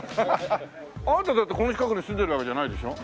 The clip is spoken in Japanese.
あなたはだってこの近くに住んでるわけじゃないでしょ？